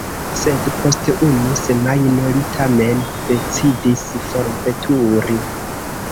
Sed post unu semajno li tamen decidis forveturi.